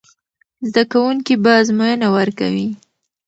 زده کوونکي به ازموینه ورکوي.